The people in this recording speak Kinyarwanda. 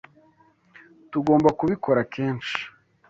Tugomba kubikora kenshi.